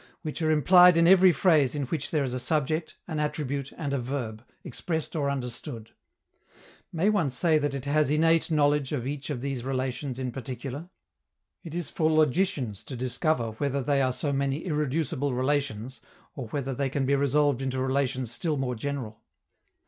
which are implied in every phrase in which there is a subject, an attribute and a verb, expressed or understood. May one say that it has innate knowledge of each of these relations in particular? It is for logicians to discover whether they are so many irreducible relations, or whether they can be resolved into relations still more general.